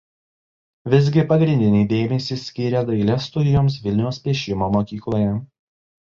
Visgi pagrindinį dėmesį skyrė dailės studijoms Vilniaus piešimo mokykloje.